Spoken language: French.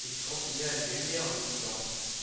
il continuait à fumer en m'écoutant.